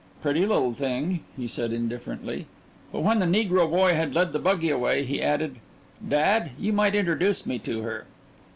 "Pretty little thing," he said indifferently. But when the negro boy had led the buggy away, he added: "Dad, you might introduce me to her."